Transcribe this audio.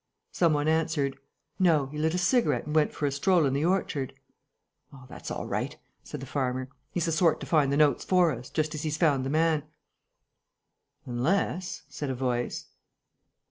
Some one answered: "No, he lit a cigarette and went for a stroll in the orchard." "Oh, that's all right!" said the farmer. "He's the sort to find the notes for us, just as he found the man." "Unless ..." said a voice.